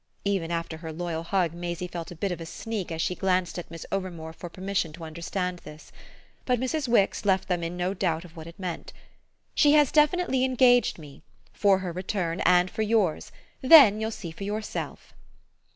Even after her loyal hug Maisie felt a bit of a sneak as she glanced at Miss Overmore for permission to understand this. But Mrs. Wix left them in no doubt of what it meant. "She has definitely engaged me for her return and for yours. Then you'll see for yourself."